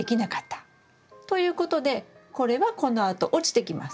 ということでこれはこのあと落ちてきます。